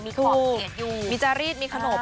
มีเขาออกข่อเกตอยู่มีจารีสมีขนม